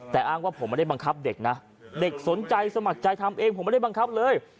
แต่อ้างว่าผมไม่ได้บังคับเด็กนะเด็กสนใจสมัครใจทำเองผมไม่ได้บังคับเลย